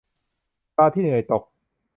ปลาที่เหนื่อยตก